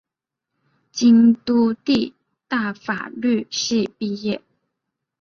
京都帝大法律系毕业。